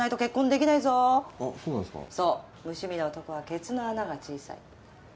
そう無趣味の男はケツの穴が小さい。